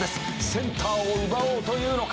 「センターを奪おうというのか」